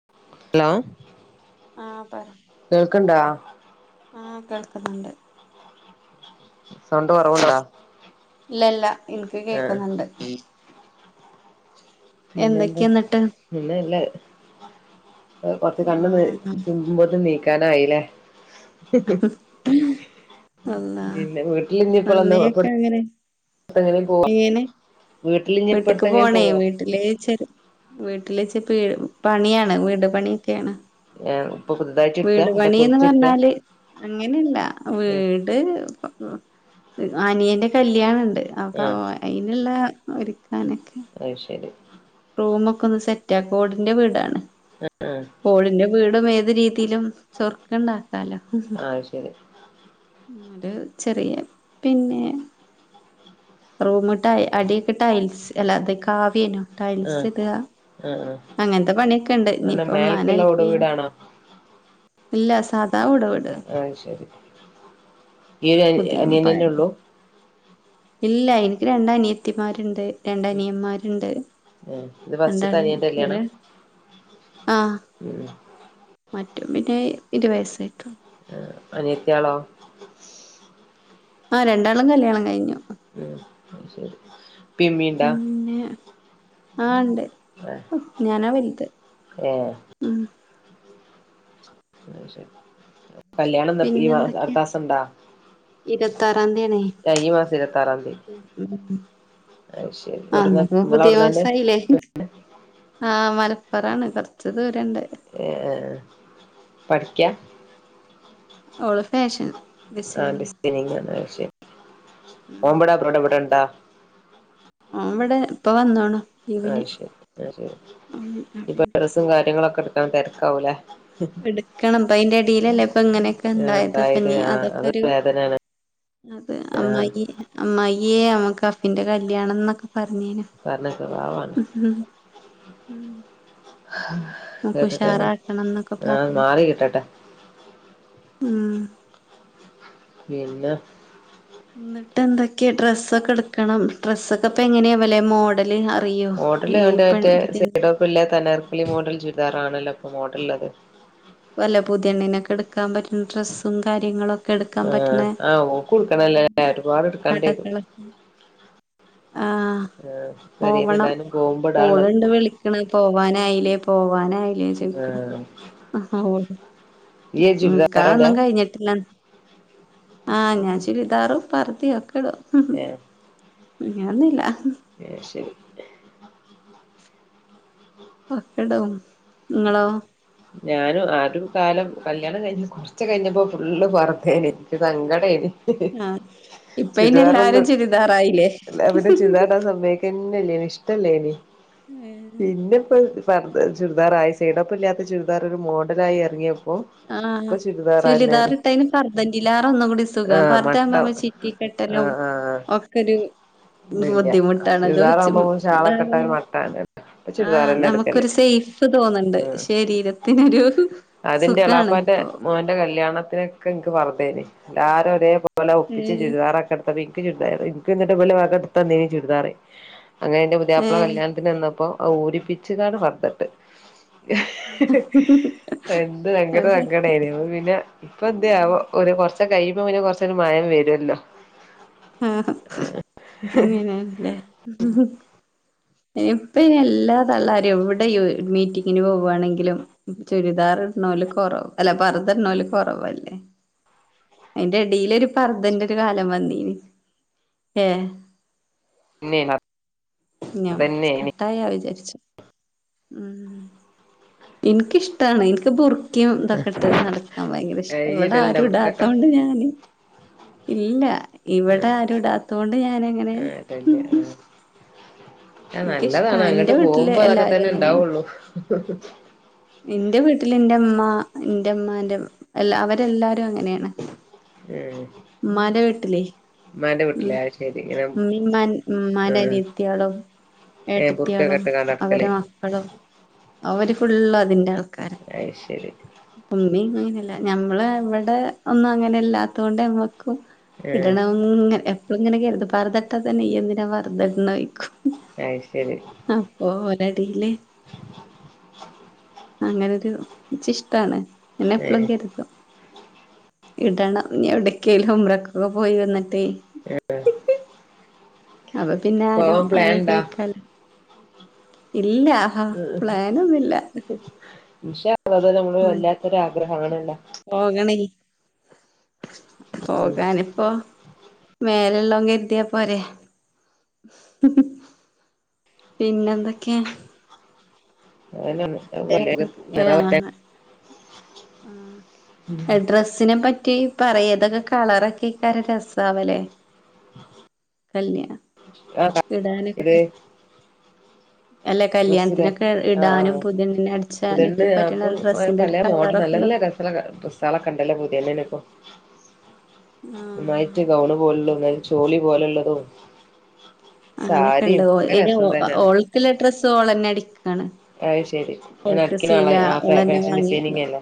[unintelligible] ആഹ് കേൾക്കിണ്ടാ ആ [unintelligible] സൗണ്ട് കൊറവ്ണ്ടാ ഇല്ല ല്ല ൻക്ക് കേക്ന്ന്ണ്ട് പിന്നെന്താ എന്തൊക്കെയാ എന്നിട്ട് [unintelligible] കണ്ണ് ആഹ് [unintelligible] [unintelligible] നീക്കാനായിലെ അള്ളാ പിന്നെ വീട്ട്ല് ഞ്ഞി [unintelligible] [unintelligible] എങനെ പോവാ എങ്ങനെ വീട്ട്ല്ഞ്ഞിപ്പട്തെങ്ങനെ പോവോ വീട്ടിലെ ചെറ് വീട്ട്ലെ ചി പെ പണിയാണ് വീട് പണിയൊക്കെയാണ് ഏ പ്പൊ കു വീട് പണിന്ന് പർഞ്ഞാല് അങ്ങനല്ല വീ ഉം ട് അനിയന്റെ കല്യാണണ്ട് അപ്പ ആഹ് അവ അയ്ന്ള്ള ഒരുക്കാനൊക്കെ അയ്ശരി റൂമൊക്കൊന്ന് സെറ്റാക്ക ഓട്ന്റെ വീടാണ് ആഹ് ഓടിന്റെ വീടും ഏത് രീതിലും ചൊർക്ക്ണ്ടാക്കാലോ അയ്ശെരി മ് രു ചെറിയ പിന്നെ റൂമ് ട്ട അടിയൊക്കെ ടൈൽസ് അല്ല ത് കാവ്യെനു ആഹ് ടൈൽസ് ട്ക ആഹ് ആഹ് അങ്ങൻത്തെ പണിയൊക്കെ ണ്ട് അല്ല ഇനിപ്പ മ്മാനെ മേലക്ക്ള്ള ഓട് ഹെല്പ്യ്യാ വീടാണോ ല്ല സാധാ ഓട് വീ ആയ്ശരി പദിയം പയ ഇല്ല എനിക്ക് രണ്ടനിയത്തിമാര്ണ്ട് രണ്ടനിയന്മാര്ണ്ട് ഏഹ് ഇത് ഫസ്റ്റ്ത്തെ രണ്ടാള് അനിയന്റെ കല്യാണാ ഒര് [inaudible] മറ്റോം പിന്നെ ഇരുവയസ്സായിട്ടൊള്ളു അനിയത്യാളോ ആ രണ്ടാളും കല്യാണം കയിഞ്ഞു ഉം ശരി ഇപ്പി ഇമ്മീണ്ടാ പിന്നെ ആഹ് ണ്ട് ഞാനാ വെലുത് ഏഹ് കല്യാണംന്നട്ട് ഈ മാ അടുത്താസണ്ടാ ഇരുവത്താറാന്തി ആണെ ഈ മാസം ഇര്പത്താറാന്തി അഹ് എവിടുന്ന് ന്ന്പ്പോ നിങ്ങള പുതിയ അവിടുന്നന്നെ മാസായില്ലേ ആഹ് മലപ്പൊറാണ് കൊറച്ച് ദൂരംണ്ട് ഏഹ് പഠിക്കാ ഓള് ഫാഷൻ ആഹ് ഡിസൈനിങ് ഡിസൈനിങ്ങ അയ് ശെരി ഉം ഓൻമ്പട അബ്രോട ഇവ്ടൊണ്ടാ ഓംവ്ടെ ഇപ്പൊ വന്നോണ് അത് ശരി ആ ശരി ഇപ്പൊ അവിടെയാണ് ഡ്രസ്സും കാര്യങ്ങളൊക്കെട്ക്ണ തെരക്കാവൂലേ ഇടുക്കണം ഇപ്പ അയ്ന്റെടെയിലല്ലേ ഇപ്പ ഇങ്ങനെ ആഹ് ക്കെണ്ടായത് ഇപ്പൊ ഇണ്ടായത് ഇഞ്ഞി ആഹ് അത് അതൊക്കൊരു വേദനയാണ് അത് അമ്മായി അമ്മായേ അമുക്ക് അഫിന്റെ കല്യാണംന്നൊക്കെ പറഞ്ഞീന് കാരണം സ്വഭാവാണ് ഉംഹും കേട്ട്ട്ടെന്നെ ന്നൊക്കെ ആ പറഞ്ഞ് മാറി കിട്ടട്ടെ ഉം പിന്നെ ഇന്ന്ട്ട് എന്തൊക്കെ ഡ്രസ് ഒക്കെ ഇട്ക്കണം ഡ്രസ്സൊക്കെ ഇപ്പെങ്ങനെയാ വെലെ മോഡല് അറിയോ ഈ പെൺ [unintelligible] ഇപ്പള്ളത് അനാർക്കലി മോഡൽ ചുരിദാറാണല്ലോപ്പൊ മോഡല്ള്ളത് ഇപ്പൊല്ലേ പുതിയെണ്ണിനൊക്കെ എടുക്കാൻ പറ്റുന്ന ഡ്രസ്സും കാര്യങ്ങളും ആഹ് ആഹ് ഓൾക്കുട്കണല്ലേ ഒരുപാട് ഇട്കണ്ടി വരും കടകള് ആഹ് ആഹ് പെരേന്ന് ഇടാനും പോവുമ്പ ഇടാനുള്ളത് [unintelligible] ക്ക്ണ് പോവാനായിലേ പോവാനായി ലേ ചോയ്ക്ക്ണ് ആഹ് ഉംഹ് ഇയ്യ് ചുരിദാറാ ഇടാ നിക്കാഹൊന്നും കഴിഞ്ഞിട്ടില്ല ആഹ് ഞാൻ ചുരിദാറും പർതേം ഒക്കെടും ഏഹ് ഇങ്ങനൊന്നുല്ല [unintelligible] ഇപ്പൊ ഒക്കെടും ഇങ്ങളോ ഞാനും ആരു കാലം കല്യാണം കഴിഞ്ഞ് ച്ചകഴിഞ്ഞപ്പോ ഫുള്ള് പർതേനി എനിക്ക് സങ്കടേയ്നി ഹ്ഹ് ആഹ് ഇപ്പ അയിന് എല്ലാരും ചുരിദാറൊന്നും ചുരിദാറായില്ലേ എല്ലാ പിന്നെ ചുരിദാറിടാൻ സമ്മേയ്ക്കന്നല്ലേനി ഇഷ്ടല്ലേനി ഏഹ് പിന്നിപ്പൊടു പർദ ചുരിദാറായി സൈഡ് ഓപ്പൺ ഇല്ലാത്ത ചുരിദാർ ഒരു മോഡലായി എറങ്ങിയ ആഹ് ചുലിദാറിട്ടയ്ന് പർതന്റീലാറൊന്നു കൂടി സുഖം ആഹ് പർതാവുമ്പ മട്ടം നമ്മള് ചി റ്റി കെട്ടലും ആഹ് ആഹ് ഒക്കൊരു ഇതില്ല ബുദ്ധിമുട്ടാണ് ചുരിദാറാകുമ്പോ നമ്മള് ഷാളൊക്കെ ഇട്ടാ അതോയ്ച്ചുംന്താണ് ഒരു മട്ടാണ് ഇപ്പൊ ആഹ് ചുരിദാറന്നെ എടുക്കല് നമുക്കൊരു സേയ്ഫ് തോന്ന്ണ്ട് ഉം ശരീരത്തിനൊരു അതിന്റെ സുഖാണ് എളാപ്പാന്റെ ഇപ്പൊ മോൻ ന്റെ കല്യാണത്തിനെക്കെ നിക്ക് പർദേനി എല്ലാരും ഒരേപോലെ ഒപ്പിച്ച് ഏഹ് ചുരിദാറൊക്കെ എട് ഇന്ക് ചുരിദാറ് ഇന്ക് ഇന്നിട്ട് ഇവലെ വക ഇട്ത്തന്നീനി ചുരിദാറ് അങ്ങനെ ഇന്റെ പുതിയാപ്പ്ള ഏഹ് കല്യാണത്തിന് വന്നപ്പോ അത് ഊരിപ്പിച്ച് കാണ്ട് പർദ്ദട്ട് എന്ത് ഭയങ്കര അത് പറ്റി സങ്കടെന്നു അപ്പ പിന്നെ ഇപ്പൊ എന്ത്യാവം ഒരു കൊറച്ച് കഴിയുമ്പോ പിന്നെ കൊറച്ച് ഒരു മയം വരുല്ലോ ആഹ് അങ്ങനെ ഇപയ്ൻ എല്ലാ തള്ളാരും എവിടെ മീറ്റി ങ്ങിന് പോവാണെങ്കിലും ചുരിദാർ ഇടണോല് കുറവ അല്ല പറ്ത ഇടനോല് കുറവല്ലേ അയിന്റെ എടീൽ ഒരു പർദന്റെ ഒരു കാലം വന്നീന് ഏഹ്. പിന്നേനി [inaudible] അതന്നേനി വിചാരിച്ചു എനിക്കിഷ്ടാണ് എനിക്ക് ബുർ ഖയും ഇതൊക്കെട്ട് നടക്കാൻ ഭയങ്കര ഇഷ്ടം ഇയ്യ് ഇവിടെ ഇടല്ണ്ടോ ആരും ടാത്ത ബുർക്കൊക്കെ? ത്തോണ്ട് ഞാന് ഇല്ല ഇവിടെ ആരും ഇടാത്തൊണ്ട് ഞാൻ എങ്ങനെ. ടല്ല ആഹ്.. ആഹ് ഇൻക്കിഷ്ടാ നല്ലതാണ് അങ്ങോട്ട് എന്റെ വീട്ടില് പോകുമ്പോ അതൊക്കെ എല്ലാരും തന്നെ അങ്ങനെയാണ് ഇണ്ടാവുള്ളു ഇന്റെ വീട്ടിൽ ഇന്റെമ്മ ഇന്റെമ്മാന്റെ അവരെല്ലാരും അങ്ങനെയാണ് ഏഹ്. മ്മാന്റെ വീട്ടിലെ. ഉം വീട്ടിലെ അത് ശരി ഇങ്ങനെ ഉമ്മീം ഉമ്മാന്റെ ആഹ് അനിയത്തിയാളും ഏഹ് ബുർക്കൊക്കെ ഏട്ടത്തിയാളും ഇട്ട്കാണ്ട് അവരെ നടക്കല് മക്കളും അവര് ഫുള് അതിന്റെ ആൾ അയ് ശരി. ഉമ്മി അങ്ങനല്ല ഞമ്മള് ഇവിടെ ഒന്നും അങ്ങനെല്ലാത്ത കൊണ്ട് നമ്മക്കും ആഹ് ഇടണമെന്ന് എപ്പോഴും ങ്ങനെ കരുതും പർദ്ദ ഇട്ട തന്നെ യ്യ് എന്തിനാ ങ്ങനെ പർദ്ദ ഇടണെന്ന് ചോയിക്കും. അയ് ശരി... അപ്പൊ ഒരേടീൽ അങ്ങനെ ഒരു.. ആണ് എന്നെ എപ്പളും ഏഹ് കരുതും. ഇടണം ഇനി എവിടേക്കലുംഉംറ ക്കൊക്കെ പോയി വന്നിട്ടേ. ഏഹ്. അപ്പൊ പിന്നെ ആരും പോവാൻ പ്ലാൻ അങ്ങനെ ഇണ്ടാ ചോയ്ക്കാല ഇല്ല.. ആഹാ ഉം പ്ലാനൊന്നുല്ല ഉം ഇൻശാ അല്ലാഹ് അത് നമ്മള് ഉം വല്ലാത്തൊരു ആഗ്രഹാണല്ലോ. പോകണേ.. പോകാനിപ്പോ മേലെ ഉള്ളോൻ കരുതിയ പോരെ? പിന്നെ എന്തൊക്കെ? വേറെ [unintelligible] ആഹ് ആഹ് ഡ്രസ്സ് ഡ്രസ്സ്‌നെ പറ്റി പറയാ ഇതൊക്കെ കാണാനേക്കാരം രെസാവലെ കല്ല്യ [unintelligible] അല്ല ഡ്രസ്സ്‌ ലെ കല്യാണത്തിനൊക്കെ ആഹ് ആഹ് ഇടാനും ആഹ് പുതിയണ്ണിനെ അടിച്ചാനൊക്കെ പുത്യേണ്ണ് പറ്റ്ണ ആപ്പോ ഡ്രസ്സിന്റെ ഒരു പല മോഡൽ കളറൊക്കെ നല്ല ഒന്ന് നല്ല ഡ്രസ്സ്‌കളൊക്കെണ്ടല്ലോ പുത്യേണ്ണിനിപ്പോ ആഹ് ഒന്നായിട്ട് ഗൗൺ പോലെള്ള ഒന്നായിട്ട് ചോളി പോലെള്ളതും അങ്ങനെയൊക്കെ ണ്ട് ഇ ഓൾ ക്കുള്ള ഡ്രസ്സ് ഓളന്നെ അടിക്കാണ് ആയ്ശെരി ങ്ങനെ ഓൾക്ക് അടിക്കണ ആളാ സീല ആഹ് ഓളന്നെ ഫാഷൻ വാങ്ങി ഡിസൈനിങ് അല്ലെ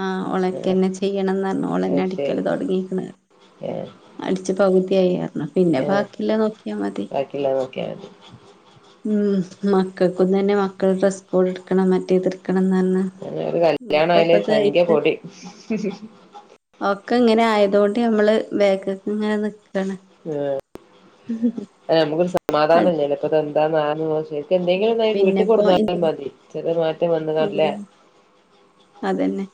ആഹ് അവളൊക്കെന്നെ ചെയ്യണംന്ന് പറഞ്ഞു ഓളന്നെ അടിക്കല് തുടങ്ങിക്കണ് ഏഹ്. അടിച്ചു പകുതിയായിഅറഞ്ഞി പിന്നെ ബാക്കിയുള്ളത് നോക്കിയാ മതി ബാക്കിയുള്ളത് നോക്കിയാൽ മതി ഉം മക്കൾക്കും തന്നെ മക്കള ഡ്രസ്സ് കോഡ് എടുക്കണം മറ്റേതഎടുക്ക്ണം എടുക്ക്ണം ന്ന് അങ്ങനെ ഒരു പറഞ്ഞി കല്യാണം ആയാല് സംഖ്യ മോക്കെ [inaudible] ഒക്കെ ഇങ്ങനെ ആയതോണ്ട് നമ്മള് ബേക്കിൽക്ക് ഇങ്ങനെ നിക്ക ആഹ് അല്ല ഞമ്മക്കൊരു സമാധാനല്ലല്ലോ ഇപ്പ എന്താന്ന് [unintelligible] എന്തെങ്കിലും ആയ് പിന്നെ വീട്ടിൽ ഇപ്പോ കൊടുന്നാലും മതി ചെറിയ ഒരു മാറ്റം വന്ന്കാണ്ട് ലെ അതെന്നെ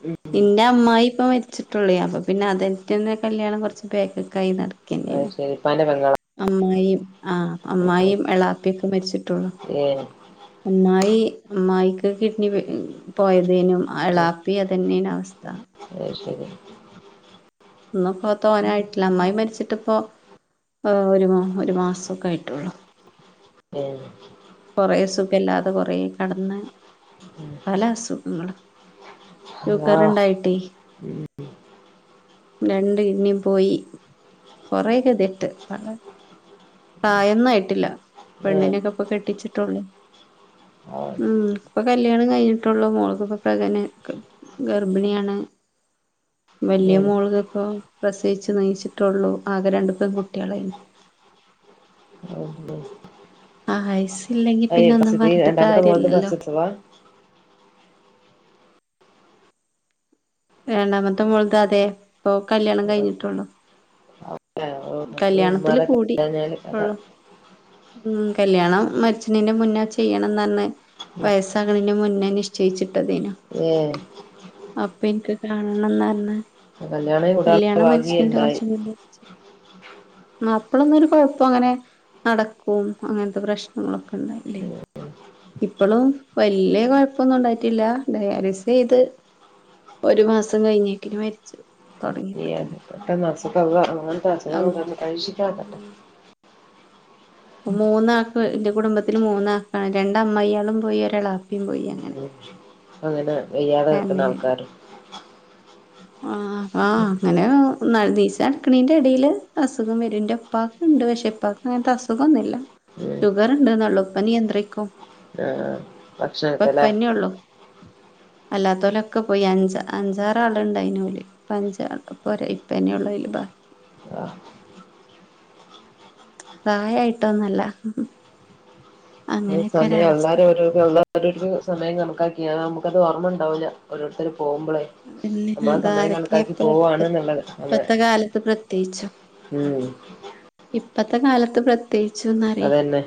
ന്റെ അമ്മായി പ്പോ മരിച്ചിട്ടേള്ളൂ അപ്പൊ പിന്നെ അതെയ്ട്ടെന്നേ കല്യാണം കുറച്ച് ബേക്ക്കായി നട അത് ശെരി പ്പാന്റെ പെങ്ങളാ അമ്മായിയും ആ അമ്മായിയും എളാപ്പിയൊക്കെ മരിച്ചിട്ടുള്ളൂ. ഏഹോ. അമ്മായി അമ്മായിക്ക് കിഡ്നി പോ പോയതേനു അളാപ്പി അതന്നെണ് അവസ്ഥ. അയ് ശരി ഒന്ന് ഇപ്പോ തോന്നായിട്ടില്ല. അമ്മായി മരിച്ചിട്ടിപ്പോ ഒരു മൊ ഒരു മാസമൊക്കൊയിട്ടുള്ളൂ. എഹോ കുറെ സുഖല്ലാതെ കൊറെ കടന്ന്. പല അസുഖങ്ങളും അല്ലാഹ് ഷുഗർണ്ടായിട്ടേ. രണ്ട് കിഡ്ണിയും പോയി കൊറേക്കെതിട്ട്. പ്രായൊന്നായിട്ടില്ല ഏഹ് പെണ്ണിനൊക്കെ ഇപ്പൊ കെട്ടിച്ചിട്ടുള്ളൂ. [inaudible] ഉം ഇപ്പൊ കല്യാണം കഴിഞ്ഞിട്ടുള്ളു മോളക്ക് ഇപ്പ പ്രകന ഗർഭിണിയാണ്. [inaudible] വല്ല്യ ഏഹ് മോള് ത പ്പോ പ്രസയിച്ചു നീച്ചിട്ടുള്ളു. ആകെ രണ്ടു പെൺ കുട്ടികളായിനു. ആത് ശരി ആയസ് ഇല്ലെങ്കി പിന്നെ ഒന്നും പറഞ്ഞിട്ട് കാര്യമില്ലല്ലോ? വാ രണ്ടാമത്തെ മോൾതതെ പ്പൊ കല്ല്യാണം കഴിഞ്ഞുട്ടുള്ളൂ. കല്യാണത്തില് ഉമ്മാരൊക്കെ കഴിഞ്ഞാല് കഥ കൂടിള്ളൂ. ഉ കല്യാണം മരച്ചണിന്റെ മുന്നേ ചെയ്യണം ന്നർഞ്ഞ്. വയസ്സാകണിന് മുന്നേ നിശ്ചയിച്ചിട്ട തേനു. ഏ അപ്പ ഇൻക്ക് കാണണന്നർഞ്ഞ് കല്യാണം കൂടാനുള്ള കല്യാണം ഭാഗ്യം മരിച്ചിണെന്റെ ഇണ്ടായി കുറച്ച് മുന്നെ. അപ്പളൊന്നരു കുഴപ്പം അങ്ങനെ നടക്കും അങ്ങനത്തെ പ്രശ് ങ്ങളൊക്കെ ഉണ്ടായില്ലേ ഇപ്പളും വല്ല്യ കൊഴപ്പൊന്നും ഉണ്ടായിട്ടില്ല. ഡയാലിസെയ്ത്. ഒരു മാസം കഴിഞ്ഞേക്ക്ന് മരിച്ചു. അ അ തുടങ്ങിയപ്പത്തിന് പെട്ടെന്ന് അസുഖ അങ്ങനത്തെ അസുഖം ഔ ങ്ങൾ തന്ന് പരിഷികതിരികടൊ. ഉം അപ്പ മൂന്നാക്ക് ന്റെ കുടുംബത്തില് മൂന്നാക്കാണ് രണ്ട് അമ്മായാളും പോയി ഒരെ ളപ ഉം അങ്ങനെ വയ്യാതെ കെടക്ക്ന്ന ആൾക്കാര്. ആഹ അ അങ്ങനെ ഒന്ന നീച്ച് അടുക്കണീൻ്റെ എടിൽ അസുഖം വെരും എൻ്റെപ്പാക്ക്ണ്ട് പക്ഷേപ്പാക്ക് അങ്ങനത്തെ അസുഖന്നുല്ല. ഉം ഷുഗർ ഉണ്ട് നള്ളു ഉപ്പനിയന്ത്രിക്കും. ആഹ് പ്പ ഭക്ഷണത്തിലെ പ്പന്നെയള്ളു അല്ലാത്തെലെക്ക പോയി അഞ്ച അഞ്ചാറാൾ. ണ്ടയിനോല് പഞ്ച ഇപ്പെനെയുള്ളു അതില് ഭഗി. ആഹ് പ്രായായിട്ടൊന്നല്ല. ഒരു അങ്ങനെയൊക്കെ സമയം ഒരവസ്ഥ എല്ലാരും രോ അളള ഓ സമയം കമക്കാക്കിണ് നമുക്ക്ത് ഓർമ്മ ഉണ്ടാവൂല്ല ഓരോരുത്തർ പോകുമ്പളേ. അതന്നെ നമ്മള സമയം അതാരൊക്കെ കണക്കാക്കി എപ്പള പോവാണ്ന്നുള്ളത്. അങ്ങനെ ഇപ്പത്തെ കാലത്ത് പ്രത്യേകിച്ചും ഉം ഇപ്പത്തെ കാലത്ത് പ്രത്യേകിച്ചുംന്നറൊ അതന്നെ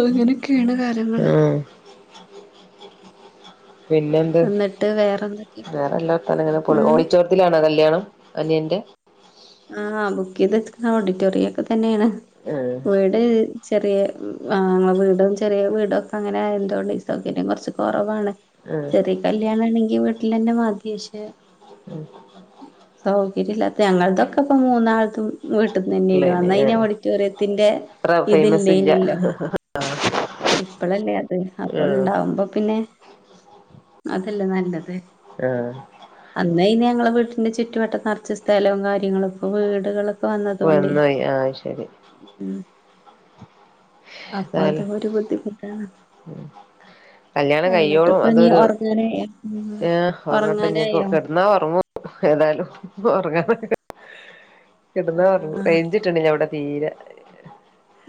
അ ഇങ്ങനെയൊക്കെയാണ്. കാ ആഹ് പിന്നെ എന്ത് എന്നിട്ട് വേറെന്തൊക്കെ വേറെ എല്ലത്ത ഇങ്ങനെ പോണ് ഉം ഓടിറ്റോ ത്തിലണ കല്യാണം അനിയന്റെ ആഹ് ബുക്ക് ചെയ്തച്ച്ക്കണ ഓഡിറ്റോറിയ ഒക്കെ തന്നെണ് ആഹ് വെട് ചെറിയ ആഹ് വീടും ചെറിയ വീടും ഒക്കെ അങ്ങനെ ആയ എന്തുകൊണ്ട് സൗകര്യം കുറച്ച് കെറവാണ് ആഹ് ചെറിയ കല്യാണ ആണെങ്കി വീട്ടിൽ തന്നെ മാധി ശെ സൗ കരില്ലാത്തെ ഞങ്ങൾതൊക്കെ പ്പോ മൂന്നാളത്തും വീട്ടന്ന് തന്നെയ്നു ഇള്ളേന് അന്നയ്ന് ആഹ് ഓഡിറ്റോറിയത്തിന്റെ അത്ര ഫേമസ് ഇല്ല ഇതില്ലെയ്നല്ലോ? ഇപ്പളല്ലേ അത് ആഹ് അപ്പള്ണ്ടാവുമ്പോ പിന്നെ അതല്ലേ നല്ലത് ആഹ് അന്നയ്ന് ഞങ്ങളെ വീട്ടിന്റെ ചുറ്റുവട്ടം നറച്ച് സ്ഥലവും കാര്യങ്ങളൊക്കെ വീടുകളൊ പ്പ വന്നതോണ്ടെയ് വന്നോയി ആഹ് ശരി അപ്പൊ അത് ഒരു ബുദ്ധിമുട്ടാണ് ഉം കല്യാണം എന്നിട്ട് കയ്യോളും ഇപ്പ നീ അതൊരു ഉറങ്ങാനായോ ഉം ഏഹ് ഉറങ്ങട്ടെ ന്നിപ്പോ ഉറങ്ങാനായോ കിടന്നാ ഒറങ്ങു ഏതായലും ഉറങ്ങാനക്ക കിടന്ന ഒറങ്ങു ആഹ് റെയ്ഞ്ച് ട്ട്ട്ട്ണ്ടവടെ തീരെ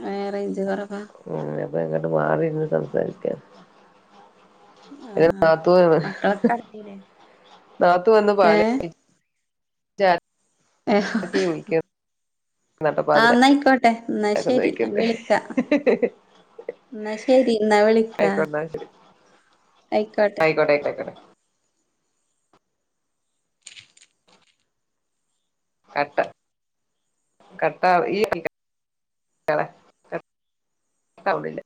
ഏഹ് റെയ്ഞ്ച് കൊറവാ ങ്ങനെ പ്പങ്ങട് മാറിന്ന് സംസാരിക്കാൻ എഹ് ആഹ് നാത്തൂവന്ന് മക്കളൊക്കെ കടന്നില്ലേ നാത്തൂ വന്ന് പാളി ഏഹ് ഏ [inaudible] ർക്കി വിളിക്ക ആഹ് ന്നായിക്കോട്ടെ ന്നാ ശരി നോയിക്ക്ണ്ട് വിളിക്ക ന്നാ ശരി ന്നാ വിളിക്ക ആയിക്കോട്ടെ ആയിക്കോ യ് ആയ്കോട്ടെ കൊയപ്പല്ല ആട്ടാ കട്ടാവു ഈ [inaudible]